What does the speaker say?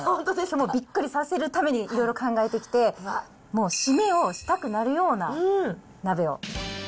もうびっくりさせるためにいろいろ考えてきて、もう締めをしたくなるような鍋を。